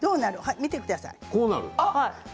見てください。